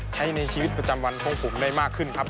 ใช้ในชีวิตประจำวันของผมได้มากขึ้นครับ